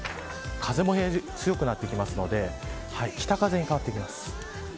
風も強くなってくるので北風に変わってきます。